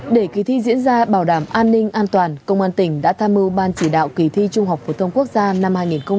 để kỳ thi diễn ra bảo đảm an ninh an toàn công an tỉnh đã tham mưu ban chỉ đạo kỳ thi trung học phổ thông quốc gia năm hai nghìn một mươi chín